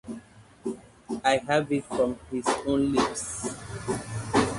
I have it from his own lips.